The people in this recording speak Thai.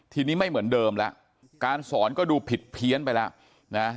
ทีนี้ไม่เหมือนเดิมแล้วการสอนก็ดูผิดเพี้ยนไปแล้วนะ